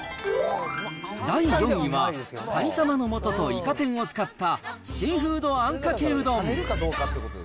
第４位は、かに玉の素といか天を使ったシーフードあんかけうどん。